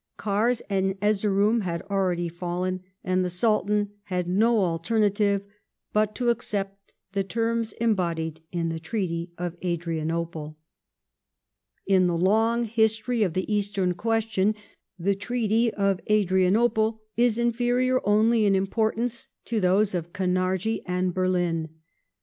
Kars and Erzeroum had already fallen, and the Sultan had no alternative but to accept the terms embodied in the TreatyjjL^drianople. Treaty of In the long history of the^^stem question, thu Treaty of Adrian Adrianople is inferior only in importance* to those of Kainai*dji 14th', 1829 and Berlin.